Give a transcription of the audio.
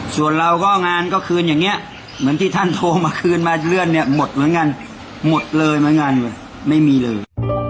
ส่วนเราก็งานก็คืนอย่างนี้เหมือนที่ท่านโทรมาคืนมาเลื่อนเนี่ยหมดเหมือนกันหมดเลยเหมือนกันไม่มีเลย